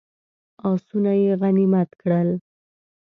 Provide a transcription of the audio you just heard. آسونه یې غنیمت کړل.